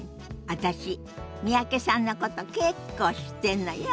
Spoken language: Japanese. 私三宅さんのこと結構知ってんのよ。